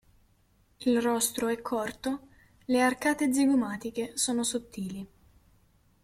Il rostro è corto, le arcate zigomatiche sono sottili.